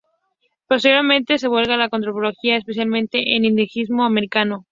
Posteriormente se vuelca a la antropología, especializándose en indigenismo americano.